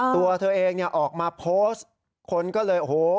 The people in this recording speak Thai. ตัวเธอเองเนี่ยออกมาโพสต์คนก็เลยโอ้โห